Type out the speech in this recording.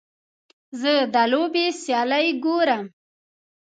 زه د لوبې سیالۍ ګورم.